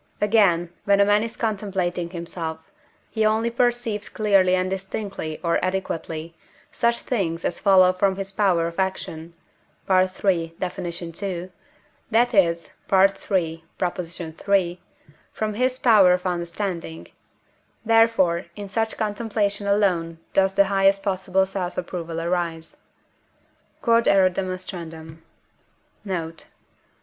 Again, when a man is contemplating himself, he only perceived clearly and distinctly or adequately, such things as follow from his power of action (III. Def. ii.), that is (III. iii.), from his power of understanding; therefore in such contemplation alone does the highest possible self approval arise. Q.E.D. Note.